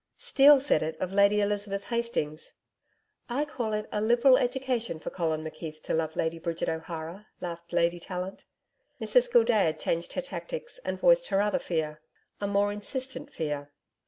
'Steele said it of Lady Elizabeth Hastings.' 'I call it a liberal education for Colin McKeith to love Lady Bridget O'Hara,' laughed Lady Tallant. Mrs Gildea changed her tactics and voiced her other fear a more insistent fear.